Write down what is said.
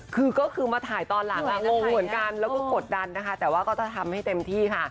คือก็คือมาถ่ายตอนหลังงงเหมือนกันแล้วก็กดดันนะคะแต่ว่าก็จะทำให้เต็มที่ค่ะ